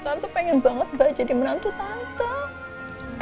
tante pengen banget mbak jadi menantu tante